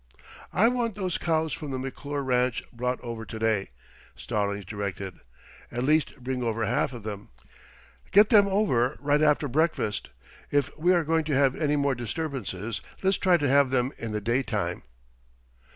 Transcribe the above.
"I want those cows from the McClure ranch brought over to day," Stallings directed. "At least, bring over half of them. Get them over right after breakfast. If we are going to have any more disturbances let's try to have them in the daytime."